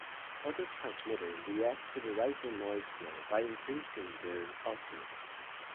Other transmitters react to the rising noise floor by increasing their output.